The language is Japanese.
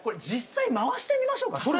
実際回してみましょうか。